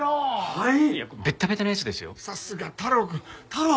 はい。